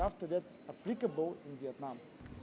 và sau đó có thể tìm hiểu về việt nam